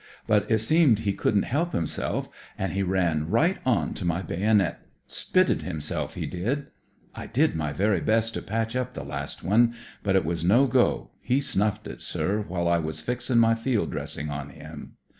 But it seemed he couldn't help himself, an' he CLOSE QUARTERS 69 ran right on to my baynit; spitted himself, he did; I did my very best to patch up the last one; but it was no go, he snuffed it, sir, while I was fixing my field dressing on him.